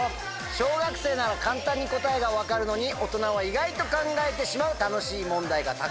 小学生なら簡単に答えが分かるのに大人は意外と考えてしまう楽しい問題がたくさん！